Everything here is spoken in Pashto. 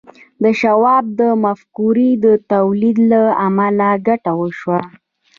د شواب د مفکورې د تولید له امله ګټه وشوه